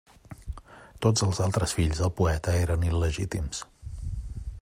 Tots els altres fills del poeta eren il·legítims.